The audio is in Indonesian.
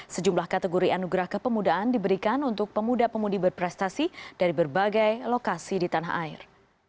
sejumlah kategori anugerah kepemudaan diberikan untuk pemuda pemudi berprestasi dari berbagai lokasi di tanah air